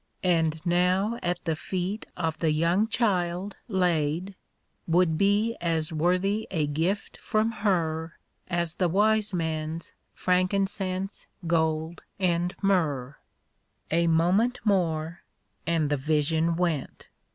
And now at the feet of the young child laid, Would be as worthy a gift from her [myrrh. As the wise men's frankincense, gold and A moment more and the vision went. 34 THE baby's things.